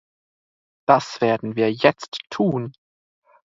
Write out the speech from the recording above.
Das werden wir jetzt tun.